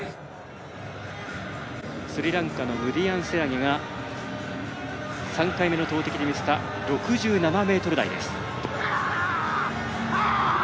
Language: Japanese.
スリランカのムディヤンセラゲが３回目の投てきに見せた６７ｍ台です。